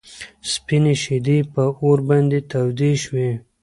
سپينې شيدې په اور باندې توی شوې.